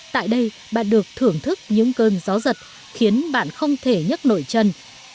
tại đây bạn được thưởng thức những cơn gió giật khiến bạn không thể nhắc nổi chân